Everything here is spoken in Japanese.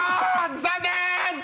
残念！